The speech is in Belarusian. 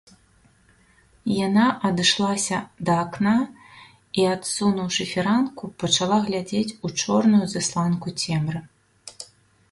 Яна адышлася да акна і, адсунуўшы фіранку, пачала глядзець у чорную засланку цемры.